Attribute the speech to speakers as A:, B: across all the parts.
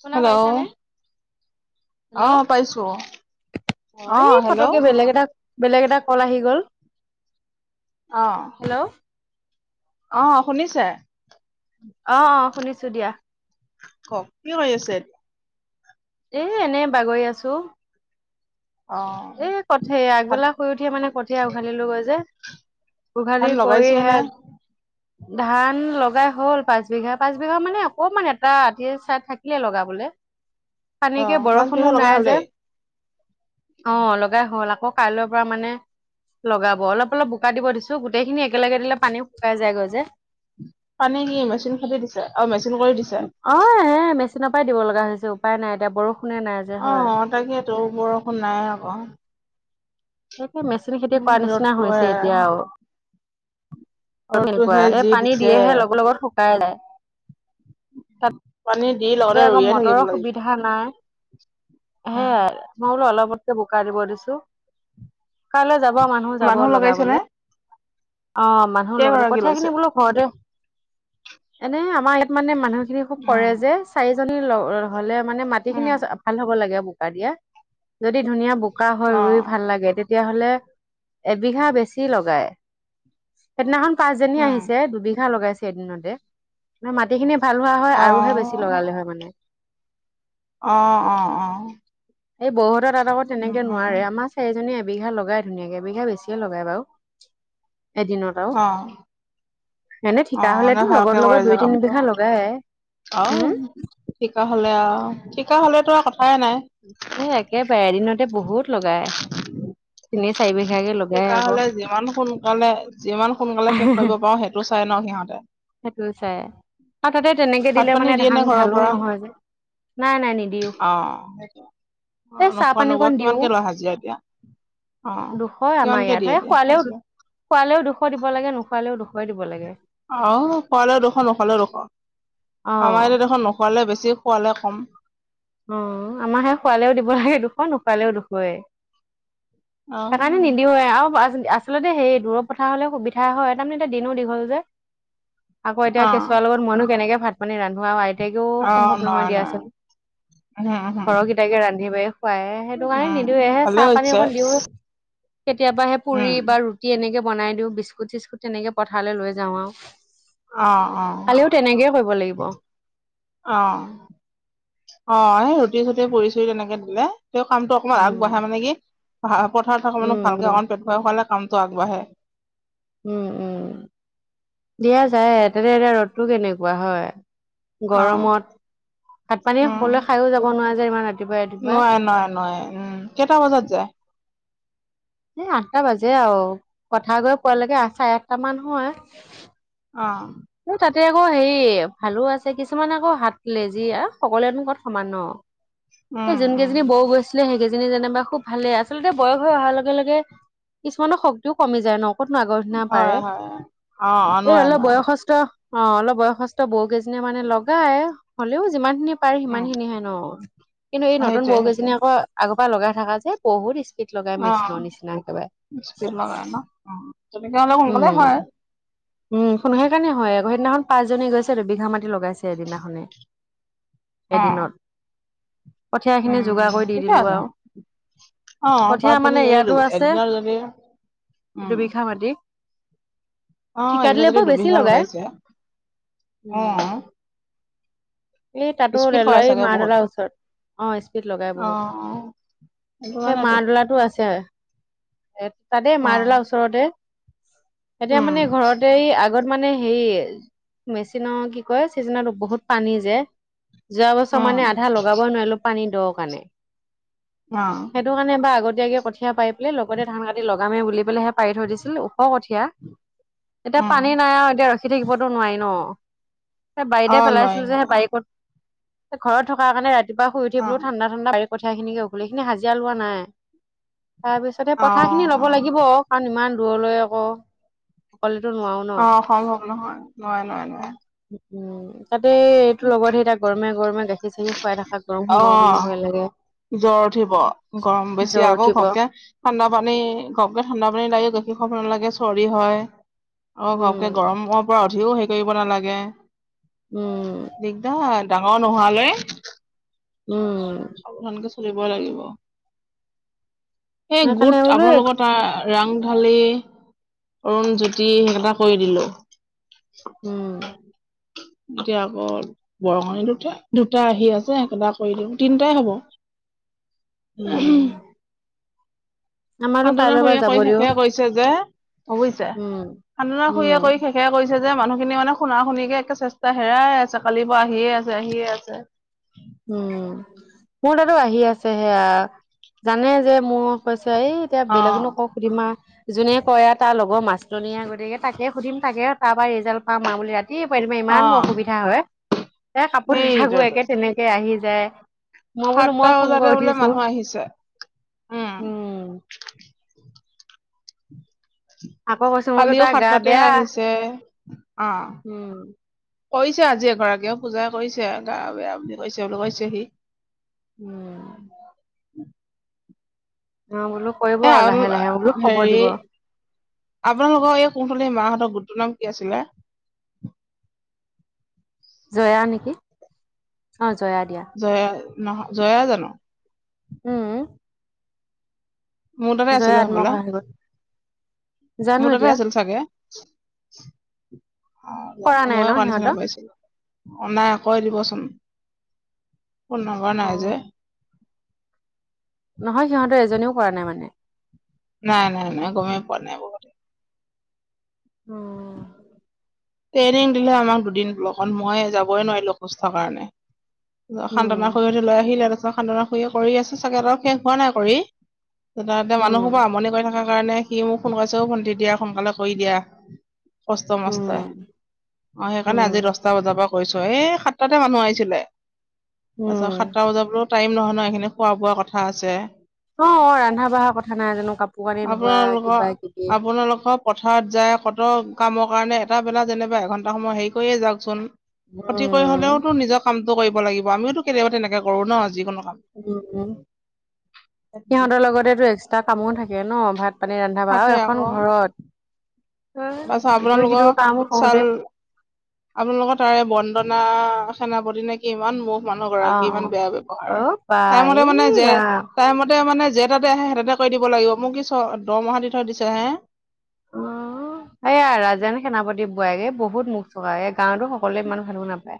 A: শুনা
B: হেল্ল'
A: পাইছানে? হেল্ল'।
B: অ', পাইছো।
A: অ', এই ফটকে বেলেগ এটা বেলেগ এটা কল আহি গ'ল।
B: আহ
A: অ
B: অ', শুনিছে?
A: অ', অ', শুনিছো দিয়া।
B: কওক কি কৰি আছে?
A: এ এনে বাগৰি আছো।
B: অ
A: এই কঠেই
B: ধান
A: আগবেলা শুই উঠিয়ে মানে কঠীয়াা উঘালিলো গৈ যে উঘালী
B: ধান
A: কৰি
B: লগাইছে নে
A: হেইয়া ধান লগাই হল পাঁচ বিঘা পাঁচ বিঘা মানে অকমান এটা আতি চাই থাকিলে লগাবলে।
B: অ
A: সানীকে
B: পাঁচ
A: বৰষুণো
B: বিঘা লগা
A: নাই যে
B: হলেই
A: অ', লগাই হল আকৌ কাইলৈৰ পৰা মানে লগাব অলপ অলপ বোকা দিব দিছো গোটেইখিনি একেলগে দিলে পানীও শুকাই যায়গৈ যে
B: পানি কি মেচিন খাটি দিছে আৰু মেচিন কৰি দিছে?
A: মেচিনাপাই দিব লগা হৈছে উপায় নাই এতিয়া বৰষুণে নাই যে হয়।
B: তৌ বৰষুণ নাই আকৌ।
A: তাকে মেচিন খেতি
B: উম
A: কৰা নিচিনা
B: ৰ'দটোহে
A: হৈছে এতিয়া আৰু। তেনেকুৱা
B: ৰ'দটোহে
A: এই
B: যি
A: পানী
B: দিছে
A: দিয়েহে লগত লগত শুকাই যায়।
B: পানী দি লগতে
A: তাতে আকৌ
B: ৰুইয়ে থাকিব
A: মটৰৰ
B: লাগিব
A: সুবিধা নাই।
B: উম
A: সেয়াই মই বোলো অলপকে বোকাই দিব দিছো কাইলে যাব মানুহ যাব
B: লগাইছে
A: লগাবলে।
B: নে
A: অ' মানুহৰ লগতে
B: কেইগৰাকী
A: কঠীয়া
B: লৈছে
A: খিনি বোলো ঘৰতে এনে আমাৰ ইয়াত মানে মানুহ খিনি খুব কৰে
B: উম
A: যে চাৰিজনী হ'লে মানে মাটি খিনি
B: উম
A: ভাল হ'ব লাগে বোক দিয়া যদি ধুনীয়া বোকা হয়
B: অ
A: ৰুই ভাল লাগে তে তেতিয়াহলে এবিঘা বেছি লগাই সেইদিনাখন পাঁচজনী
B: উম
A: আহিছে দুবিঘা লগাইছে এদিনতে মে মাটি খিনি ভাল হোৱা হয়
B: অ
A: আৰুহে বেছি লগালে হয় মানে
B: অ অ অ
A: এই বৰহত তাত আকৌ
B: উম
A: তেনেকে
B: উম
A: নোৱাৰে আমাৰ চাৰিজনী বিঘা লগাই ধুনীয়াকে বিঘা বেছিয়ে লগাই বাৰু এদিনত আৰু
B: অ',
A: এনে ঠিকা
B: অ', এনে
A: হলেতো লগত লগত দুই তিন বিঘা লগাই
B: আহ
A: উম।
B: থিকা হলে আহ থিকা হলে তই কথা
A: এ একেবাৰেদিনতে বহুত লগাই তিনি চাৰি বিঘাকে লগাই
B: সেইকাৰ
A: আকৌ
B: হলে যিমান সোনকালে যিমান সোনকালে শেষ কৰিব পাৰো সেইটো চাই ন সিহঁতে
A: সেইটোও চাই আৰু তাতে তেনেকে
B: ভাত
A: দিলে
B: পানী
A: মানে
B: দিয়ে নে
A: ধান
B: ঘৰৰ পৰা
A: ঢালোও নহয় যে নাই নাই নিদিও
B: অ', সেইটো অ
A: এই
B: ',
A: চাহ
B: নখোৱা নবোৱা
A: পানীকণ দিও।
B: কিমানকে লোৱা হাজিৰা এতিয়া? অ',
A: দুশ আমাৰ
B: কিমানকে দিয়ে
A: ইয়াতহে
B: এতিয়া
A: শুৱালেও
B: হাজিৰা
A: খুৱালেও দুশ দিব লাগে নোখোৱালেও দুশ
B: আহ খোৱালেও দুখৰ নোখালেও দুোখৰ
A: অ
B: আমাৰ এতিয়া দেখৰ নোখোৱালে বেছি বছি খোৱালে কম
A: অ', মাৰ সে শোৱালেও দিব লাগে দুখ নোখোৱালেও দুখয়
B: অ',
A: সেইকাৰণে নিদিব আৰু আচলতে সেই দূৰত পথথা হ'লে সুবিধা হয় তাৰমানে এতিয়া দিনো দীঘল যে আকৌ এতিয়া
B: অ',
A: কেঁচুৱাৰ লগত মইনো কেনেকে ভাত পানী ৰান্ধো আৰু আইতাকেও সম্ভৱ নহয় দিয়াচোন
B: আহ হা
A: পাই সেইটো কাৰণে নিদিওঁ এহে চাহ পানী
B: হৈছে
A: অকণ দিও কেতিয়াবা সে পুৰি
B: উম।
A: বা ৰুটি এনেকে বনাই দিওঁ বিস্কুট চিস্কুট তেনেকে পথাৰলৈ লৈ যাওঁ আৰু
B: অ', অ',
A: খালিও তেনেকেই কৰিব লাগিব
B: অ', অ', সেই ৰুটি চতি পুৰি চুৰি তেনেকে দিলে তেওঁ কামটো অকমান
A: উম
B: আগবঢ়াই মানে কি পথাৰত থকা
A: উম
B: মানুহ ভালকে
A: উম
B: অন পেট ভাই খোৱালে কামটো আগবাঢ়ে-
A: উম উম দিয়া যায় তেনে এতিয়া ৰ'দটো কেনেকুৱা হয়
B: অ',
A: গৰমত ভাত পানী
B: উম
A: সকলোৱে খায়ো যাব নোৱাৰে যে ইমান ৰাতিপুৱাই ৰাতিপুৱাই
B: নোৱাই নোৱাই নোৱাই উম কেইটা বজাত যায়
A: এ আঠটা বাজে আৰু কথা গৈ পোৱালৈকে চাৰে আঠট মান হয়
B: অ',
A: এই তাতে আকৌ হেৰি ভালো আছে কিছুমানে আকৌ হাত লেজি সকলোৱলেনো কত সমানো
B: উম, উম,
A: যোনকেইজনী বৌ গৈছিলে সেইকেইজন যেনেবা খুব ভালেই আচল্ততে বয়স হৈ অহাৰ লগে লগে কিছুমানৰ শক্তিও কমি যায় ন আগৰহনা পাৰে
B: হয়, হয়, অ', অ',
A: এই
B: নোৱাৰে
A: হলেও
B: নোৱাৰে
A: বয়সস্থ অ', অলপ বয়সস্থ বৌ কেইজনীয়ে মানে লগাই হ'লেও বুজ যিমান খিনি পাৰে সিমান
B: উম,
A: খিনিহে ন কিন্তু এই নতুন
B: সেইটোৱে
A: বৌ
B: সেইটোৱে
A: কেইজনী আকৌ আগত লগাই থাককা যে বহুত স্পীড লগাই মেচিনৰ
B: অ',
A: নিচিনা একেবাৰে
B: লগাই ন তেনেকে হলে সোনকালে
A: উম
B: হয়
A: উম শুো সেইকাৰণে হয় সেইদিনাখন পাঁচজনী গৈছে আৰু বিঘা মাটি লগাইছে এদিনাখনে
B: অ',
A: এদিনত কঠীয়াখিনি
B: উম,
A: যোগাৰ কৰি দি
B: ঠিকে
A: দিলোঁ
B: আছে
A: আৰু
B: অ',
A: কঠীয়া
B: পাঁচজনী
A: মানে
B: যদি
A: ইয়াতো আছে
B: এদিনত যদি উম,
A: দুবিঘা মাটি
B: অ',
A: ঠিকা
B: এদিন
A: দিলে
B: যদি
A: বাৰু বেছি
B: দুবিঘা
A: লগাই
B: লগাইছে
A: উম,
B: অ',
A: এই তাতো
B: স্পীড কৰে
A: ৰেলাৰী
B: চাগে বহুত
A: মাডলাৰ ওচৰত অ স্পীড লগাই
B: অ
A: বহুত
B: অ সেইটো
A: সেই মা
B: কাৰণেতো
A: দলাতটো আছে এ তাতে
B: অ
A: মাৰদলা ওচৰতে এতিয়া
B: উম
A: মানে ঘৰতে আ আগত মানে হেৰি মেচিনৰ কি কয় চিজনত বহুত পানী যোয় যোৱা বছৰ
B: উম
A: মানে আধা লগাব নোৱাৰিলো পানী দ কাৰণে
B: অ
A: সেইটো কাৰণে বা আগতে এতিয়াকে কঠিয়ীয়া পাই পেলাই লগতে ধান কাটি লগামে বুলি পেলাইহে পাৰি থৈ দিছিল, ওখ কঠীয়া, এতিয়া
B: উম
A: পানী নাই আৰু এতিয়া ৰখি থাকিবতো নোৱাৰি ন', সেই
B: অ
A: বাৰিতেই
B: নোৱাৰি
A: পেলাইছিল যে সেই
B: নোৱাৰি
A: বাৰিক ঘৰত থকাৰ কাৰণে ৰাতিপুৱা শুই উঠি
B: অ
A: বোলো ঠাণ্ডা ঠাণ্ডা কঠীয়া খিনিকে উঘলি, এইখিনি হাজিৰা লোৱা নাই, তাৰ পিছতে
B: অ
A: কথাখিনি ল'ব লাগিব অ', কাৰণ ইমান দূৰলৈ আকৌ অকল
B: অ', সম্ভৱ নহয়, নোৱাৰে, নোৱাৰে, নোৱাৰে।
A: উম। তাতেই এইটো লগত, সেই তেতিয়া গৰমে গৰমে গাখীৰ চাখিৰ খুৱাই থকা, গৰম
B: অ
A: সোমাব বুলিও ভয় লাগে।
B: জ্বৰ উঠিব, গৰম বেছি
A: জ্বৰ
B: আকৌ
A: উঠিব
B: ঘপকে ঠাণ্ডা পানী, ঘপকে ঠাণ্ডা পানী লাগি যদি হ'ব নালাগে। চৰ্দি হয়, আৰু ঘপকে
A: উম,
B: গৰমৰ পৰা উঠিও হেৰি কৰিব নালাগে।
A: উম,
B: দিগদাৰ ডাঙৰ নোহোৱালৈ।
A: উম।
B: সাৱধানকে চলিব লাগিব, এই
A: সেইকাৰণে
B: গোট
A: বোলো
B: আপোনালোকৰ তাৰ ৰাংঢালি, অৰুণজ্যোতি সেইকেইটা কৰি দিলো।
A: উম।
B: এতিয়া আকৌ বৰঙণি দু উঠে দুটা আহি আছে, এইকেইটা কৰি দিওঁ, তিনটাই হ'ব।
A: উম। আমাৰো
B: শান্তনু
A: কাইলৈ পৰা
B: খুৰীয়ে
A: যাব
B: কৰি
A: দিও
B: শেষেই কৰিছে যে, বুজিছা? শান্তনু
A: উম
B: খুৰীয়ে
A: উম
B: কৰি শেষেই কৰিছে। যে মানুহখিনি মানে শুনা শুনিকে একে চেষ্টা হেৰাই আছে, কালিৰ পৰা আহিয়ে আছে, আহিয়ে আছে।
A: উম, মোৰ তাতো আহি আছে সেইয়া, জানেই যে মোৰ এই এতিয়া
B: অ
A: বেলেগনো কাক সুধিম আ যোনে কয় আৰু, তাৰ লগৰ মাষ্টৰনীয়েই, গতিকে তাকে সুধিম তাকে তাৰ পৰা ৰিজাল্ট পাম আৰু বুলি ৰাত কি [unintelligible] [unintelligible]
B: অ
A: ইমান মোৰ অসুবিধা হয়। এই কাপোৰ ধুই থাকো,
B: সেইটোৱেতো
A: একে তেনেকেই আহি যায়। মই বোলো
B: সাতটা
A: মই ফোন
B: বজাতে
A: কৰি
B: বোলে
A: উঠিছোঁ।
B: মানুহ আহিছে
A: উম। আকৌ কৈছো মই বোলো
B: কালিও
A: তাৰ গা
B: সাতটাতেই
A: বেয়া
B: আহিছে,
A: উম
B: অহ। কৰিছে আজি এগৰাকীয়েও পূজা কৰিছে, গা বেয়া বুলি কৈছে বোলো কৈছে সি
A: উম। অ বোলো কৰিব আৰু লাহে
B: এ,
A: লাহে বোলো খবৰ
B: হেৰি
A: দিব
B: আপোনালোকৰ এই কুলি মাহঁতক গোটটোৰ নাম কি আছিলে?
A: জয়া নেকি? অ', জয়া দিয়া।
B: নহয়, জয়া জানো?
A: উম।
B: মোৰ তাতেই
A: জয়ে
B: আছিলে হ'বলা?
A: আত্মসহায়ক গোট জানো
B: মোৰ তাতেই
A: এতিয়া
B: আছিল চাগে? অ',
A: কৰা
B: জানো,
A: নাই ন
B: মই আকৌ আলোচনা
A: সিহঁতৰ
B: কৰি আছিলোঁ। অ', নাই কৈ দিবচোন ফোন নাম্বাৰ নাইযে।
A: অ' নহয় সিহঁতৰ এজনীয়েও কৰা নাই মানে।
B: নাই-নাই-নাই, গমেই পোৱা নাই, এইবোৰ কথা
A: উম।
B: ট্ৰেইনিং দিলে আমাক দুদিন ব্লকত, মই যাবই নোৱাৰিলো অসুস্থৰ কাৰণে।
A: উম
B: সান্তনাৰ খুৰীহতি লৈ আহিলে। তাৰপিছত সান্তনাৰ খুুৰয়ে কৰি আছো চাগে আৰু শেষ হোৱা নাই কৰি। তাতে এতিয়া
A: উম
B: মানুহবোৰে আমনি কৰি থকাৰ কাৰণে সি মোক ফোন কৰিছে, অ', ভণ্টি দিয়া সোনকালে কৰি দিয়া। কষ্ট মষ্টৰে, অ', সেইকাৰণে
A: উম
B: আজি দশটা বজাৰ পৰা কৰিছোঁ আৰু, এই সাতটাতে মানুহ আহিছিলে, তাৰপিছত
A: উম
B: সাতটা বজাত বোলো টাইম নহয়। এইখিনি খোৱা বোৱা কথা আছে।
A: অ'। ৰন্ধা বঢ়া কথা নাই জানো কাপোৰ কানি ধোৱা
B: আপোনালোকৰ
A: কিবা কিবি
B: আপোনালোকৰ পথাৰত যায় কত কামক কাৰণে এটা বেলা যেনিবা এঘন্টা সময় হেৰি কৰিয়ে যাওকচোন ক্ষতি কৰি
A: উম
B: হ'লেওতো নিজৰ কামটো কৰিব লাগিব আমিওটো কেতিয়াবা তেনেকে কৰো ন যিকোনো কাম
A: উম, উম, সিহঁতৰ লগতেটো এক্সট্ৰা কামো থাকে ন ভাত পানী ৰান্ধাবাৰা
B: তাকে
A: আৰু এখন
B: আকৌ
A: ঘৰত
B: তাৰপিছত
A: ইটো
B: আপোনালোকৰ
A: সিটো কাম কৰওঁতে
B: চাউল আপোনালোকৰ তাৰে বন্দনা সেনাপতি নেকি ইমান ব মানুহ গৰাকী
A: অ'
B: ইমান
A: অ'
B: বেয়া ব্যৱহাৰ
A: অ' বা
B: তাই মতে মানে
A: এই
B: যে
A: ৰাম
B: তাই মতে মানে যে তাতে আহে, সেই তাতে কৰি দিব লাগিব, মোক কি দৰমাহা দি থৈ দিছে হে
A: অ', সেয়া ৰাজেন সেনাপতি বোৱাৰীকে বহুত মুখ চলাই, এই গাঁৱতো সকলোৱে ইমান ভালু নাপায়।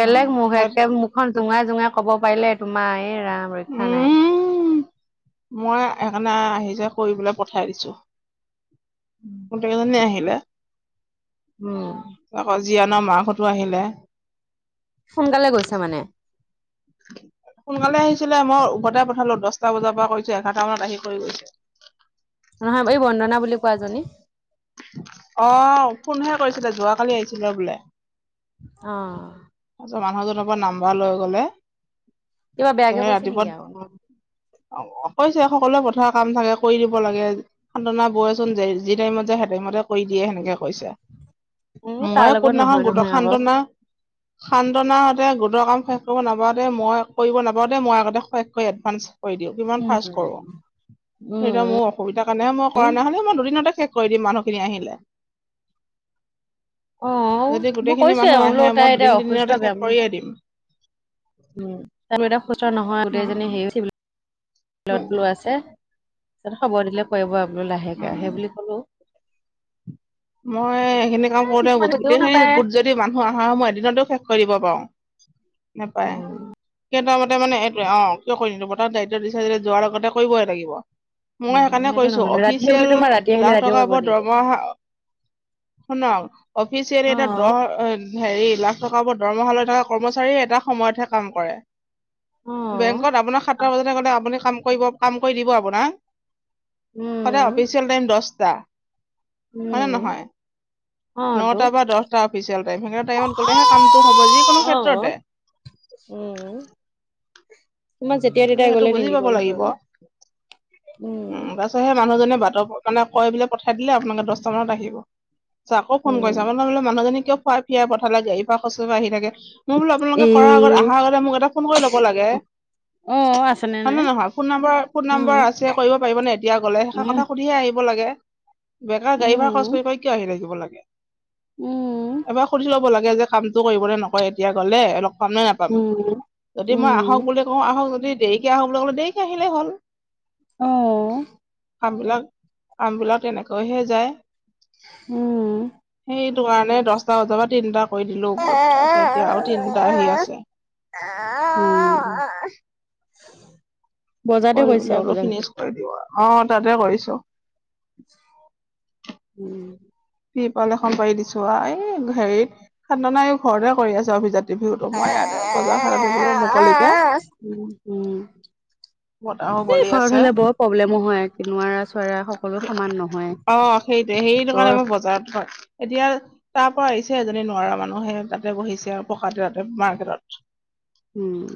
B: উম
A: মুখ
B: সেত
A: একে মুখখন জোঙাই জোঙাই কব পাৰিলে তোমাৰ এই ৰাম ৰৈখ্যা নাই।
B: উম মই সেইকাৰণে আহিছে কৰিবলৈ পঠাই দিছো। গোটেই কেইজনো আহিলে।
A: উম,
B: আকৌ জীয়ানৰ মাক হঁতো আহিলে।
A: সোনকালে গৈছে মানে
B: [inaudible] সোনকালে আহিছিলে মই উভতাই পঠালো দশটা বজাৰ পৰা কৈছো এঘাৰটা মানত আহি কৰি গৈছে।
A: নহয় এই বন্দনা বুলি কোৱাজনী
B: অ', ফোনহে কৰিছিলে যোৱাকালি আহিছিলো বোলে।
A: অ',
B: তাৰপিছত মানুহজনৰ পৰা নাম্বাৰ লৈ গ'লে
A: কিবা বেয়াকে কৈছে নেকি আকৌ?
B: অ', কৈছে সকলোৱে পথাৰ কাম থাকে কৰি দিব লাগে শান্তনা বয়েচোন যে যি টাইমত যায় সেই টাইমত কৰি দিয়ে সেনেকে কৈছে,
A: এ তাৰ
B: ময়ে
A: লগত নহয়
B: কোনদিনাখন গোটৰ
A: নহয় আকৌ
B: শান্তনা শান্তনাহঁতে গোটৰ কাম শেষ কৰিব নাপাওওতে মই কৰিব নাপাওঁতে মই আগতে শেষ কৰি এডভান্স কৰি দিওঁ, কিমান
A: উম
B: ফাৰ্ষ্ট কৰো,
A: উম
B: এতিয়া মোৰ অসুবিধা কাৰণেহে মই কৰা নহলে মই দুদিনতে শেষ কৰি দিম মানুহখিনি আহিলে।
A: অ
B: যদি
A: মই
B: গোটেইখিনি
A: কৈছোৱে
B: মানুহ
A: বোলো
B: আহে
A: তাই
B: মই
A: এতিয়া
B: দুদিন
A: অসুস্থ
B: তিনিদিনতে শেষ
A: বেম
B: কৰিয়েই দিম।
A: উম, তাৰ মানে এতিয়া সুস্থ নহয় গোটেই জনী
B: উম,
A: হেৰিয়েট চিভিলত বোলো আছে। তাৰপিছত খবৰ দিলে কৰিব আৰু লাহেকে সেই
B: উম।
A: বুলি কলো।
B: মই এইখিনি কাম কৰোতে
A: কিছুমান বুজিও
B: গোটেইখিনি
A: নাপায়।
B: গোট যদি মানুহ আহাৰ সময় এদিনতো শেষ কৰি দিব পাওঁ, নাপায়
A: উম,
B: কেইটা ত' মানে এইটোৱে অ, কিয় কৰি নিদো [unintelligible] দায়িত্ব দিছে যদি যোৱাৰ আগতে কৰিবই লাগিব। মই
A: উম,
B: সেইকাৰণে
A: সেইটো
B: কৈছো
A: নহয় ৰাতিহে বুলি
B: অফিচিয়েল
A: তোমাৰ ৰাতি আহিলে
B: লাখ
A: ৰাতিও
B: টকাৰ
A: কৰিব
B: ওপৰত
A: নেকি?
B: দৰমহা শুনক অফিচিয়েলি এটা
A: অ',
B: দহ হেৰি লাখ টকাৰ উপৰত দৰমহা লৈ থকা কৰ্মচাৰীয়ে এটা সময়তহে কাম কৰে।
A: অ',
B: বেংকত আপোনাক সাতটা বজাতে গ'লে, আপুনি কাম কৰিব কাম কৰি দিব আপোনাক? সদায়
A: উম,
B: অফিচিয়েল টাইম দশটা। হয়নে
A: উম,
B: নহয়?
A: অ', তো।
B: নটা বা দশটা অফিচিয়েল টাইম সেইকিতা টাইমত গলে হে কামটো হ'ব যিকোনো ক্ষেত্ৰতে।
A: অ'। উম,
B: [inaudible]
A: তোমাক যেতিয়া
B: গতিকে
A: তেতিয়াই
B: সেইটো
A: গ'লে
B: বুজি
A: নিদিব
B: পাব
A: নহয়
B: লাগিব
A: আকৌ। উম,
B: উম, তাৰপিছত সে মানুহজনে বাটৰ মানে কয় বোলে পঠাই দিলে আপোনালোকে দশটা মানত আহিব। চ' আকৌ ফোন
A: উম,
B: কৰিছা মানুহজনী কিয় খোৱাই ফিৰাই পঠালে গাড়ী ভাৰা খৰছ কৰিব আহি থাকে। মই বোলো
A: এ
B: আপোনালোকে কৰাৰ আগত আহা আগতে মোক এটা ফোন কৰি ল'ব লাগে।
A: অ', আছেনে
B: হয় নে
A: নাই?
B: নহয়, ফোন নম্বৰ ফোন নম্বৰ
A: উম,
B: আছে কৰিব পাৰিব নে এতিয়া গ'লে হেষাৰ
A: উম,
B: কথা সুধিহে আহি লাগে বেকাৰ গাড়ী ভাড়া খৰছ
A: উম,
B: কৰি কৰি কিয় আহি থাকিব লাগে।
A: উম।
B: এবাৰ সুধি ল'ব লাগে যে কামটো কৰিবনে নকৰে এতিয়া গলে লগ পাম নে নাপাম,
A: উম,
B: যদি মই আহক
A: উম,
B: বুলি কওঁ আহক দি দেৰিকে আহ বুলি ক'লে দেৰিকে আহিলেই হ'ল।
A: আহ।
B: ফাৰ্ম বিলাক, ফাৰ্মবিলাক তেনেকৈহে যায়।
A: উম।
B: সেইটো কাৰণে দহটা বজা বা তিনিটা কৈ দিলো তাৰপিছত এতিয়া আৰু তিনিটা আহি আছে।
A: উম।
B: কৰি পেলাই বোলো অল ফিনিছ কৰি দিব অ' তাতে কৰিছো।
A: উম।
B: তিৰপাল এখন পাৰি দিছো আৰু, এই হেৰিত শান্তনায়ো এই ঘৰতে কৰি আছে অভিজাত। [unintelligible] মই ইয়াতে বজাৰখনতে বোলো মুকলিকে। বতাহো
A: এ
B: বলি
A: ঘৰত
B: আছে
A: হ'লে বৰ প্ৰব্লেমো হয় নোৱাৰা চোৱাৰা সকলো সমান নহয়।
B: অ সেইটোৱে সেইটো কাৰণে
A: বৰ
B: মোৰ বজাৰত হয়, এতিয়া তাৰ পৰা আহিছে। এজনী নোৱাৰা মানুহে তাতে বহিছে আৰু পকাত [unintelligible] মাৰ্কেটত।
A: উম,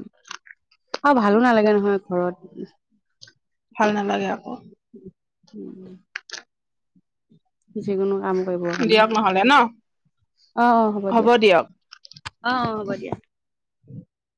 A: আৰু ভালো নালাগে নহয় ঘৰত।
B: ভাল নালাগে আকৌ।
A: উ উম, উম। যিকোনো কাম কৰিব কাৰণে।
B: দিয়ক নহলে ন
A: অ' অ' হ'ব দিয়া, অ' অ' হ'ব দিয়া।